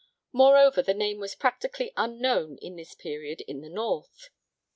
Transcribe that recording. Moreover, the name was practically unknown at this period in the North.